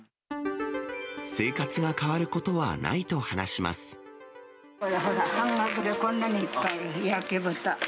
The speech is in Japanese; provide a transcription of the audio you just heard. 生活が変わることはないと話これ、半額でこんなにいっぱい、焼き豚。